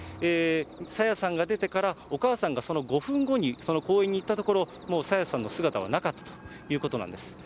朝芽さんが出てから、お母さんがその５分後に、その公園に行ったところ、もう朝芽さんの姿はなかったということなんです。